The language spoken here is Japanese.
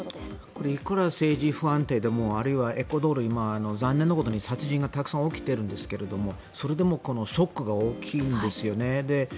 これいくら政治が不安定でもあるいはエクアドルは今、残念なことに殺人がたくさん起きているんですがそれでもこのショックが大きいんですよね。